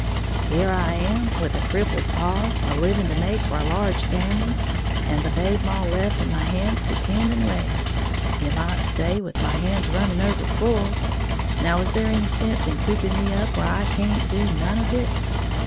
Here I am, with a crippled paw, a living to make for a large family, and the babe maw left in my hands to tend and raise, you might say with my hands running over full, now is there any sense in cooping me up where I can't do none of it?